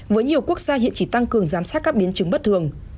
với nhiều quốc gia hiện chỉ tăng cường giám sát các biến chứng bất thường